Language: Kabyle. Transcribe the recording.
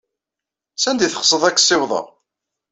Sanda ay teɣsed ad k-ssiwḍeɣ.